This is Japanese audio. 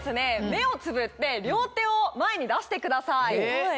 目をつぶって両手を前に出してください。